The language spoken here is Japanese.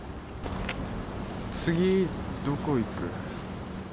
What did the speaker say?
次どこ行く？